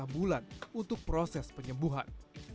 satu lima bulan untuk proses penyembuhan